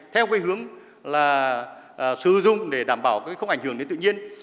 theo hướng sử dụng để đảm bảo không ảnh hưởng đến tự nhiên